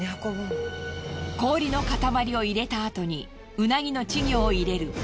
氷の塊を入れたあとにウナギの稚魚を入れる。